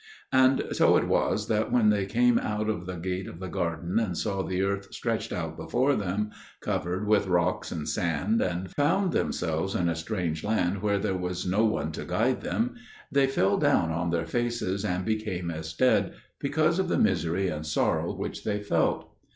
And so it was that when they came out of the gate of the garden and saw the earth stretched out before them, covered with rocks and sand, and found themselves in a strange land where there was no one to guide them, they fell down on their faces, and became as dead, because of the misery and sorrow which they felt.